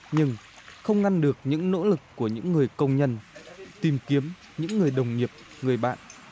nhưng không ngăn được những nỗ lực của những người công nhân tìm kiếm những người đồng nghiệp người bạn